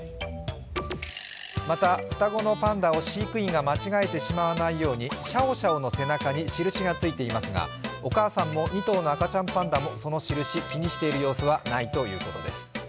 また、双子のパンダを飼育員が間違えてしまわないようにシャオシャオの背中に印がついていますがお母さんも２頭の赤ちゃんパンダもその印、気にしている様子はないということです。